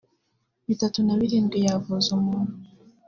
bitatu na birindwi yavuza umuntu